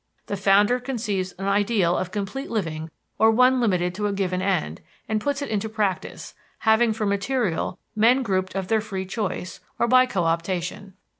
The founder conceives an ideal of complete living or one limited to a given end, and puts it into practice, having for material men grouped of their free choice, or by coöptation.